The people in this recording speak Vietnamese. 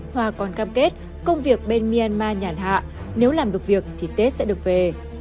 hòa còn cam kết công việc bên myanmar nhàn hạ nếu làm được việc thì tết sẽ được về